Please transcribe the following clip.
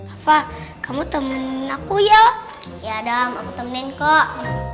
apa kamu temen aku ya ya dam aku temenin kok